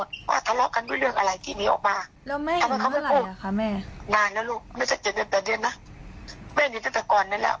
ถ้าพูดไปเนี้ยคนพูดตั้งนานแล้วเรื่องน้องออนกับอีกโกดิ